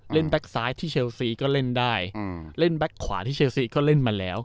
แบ็คซ้ายที่เชลซีก็เล่นได้เล่นแบ็คขวาที่เชลซีก็เล่นมาแล้ว